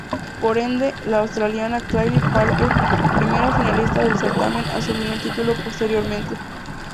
Por ende, la australiana Claire Parker, primera finalista del certamen asumió el título posteriormente.